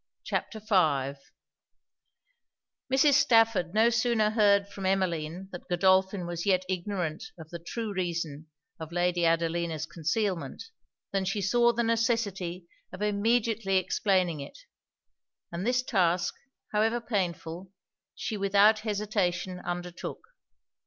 CHAPTER V Mrs. Stafford no sooner heard from Emmeline that Godolphin was yet ignorant of the true reason of Lady Adelina's concealment, than she saw the necessity of immediately explaining it; and this task, however painful, she without hesitation undertook.